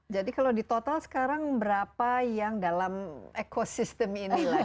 jadi kalau di total sekarang berapa yang dalam ekosistem ini lah